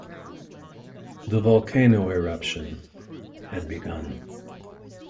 The volcano eruption had begun.